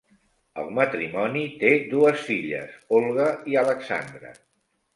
El matrimoni té dues filles Olga i Alexandra.